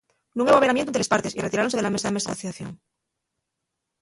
Nun hebo averamientu ente les partes y retiráronse de la mesa de negociación.